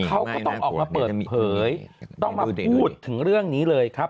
เขาก็ต้องออกมาเปิดเผยต้องมาพูดถึงเรื่องนี้เลยครับ